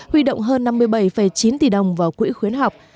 huy động hơn năm mươi bảy chín tỷ đồng vào quỹ khuyến học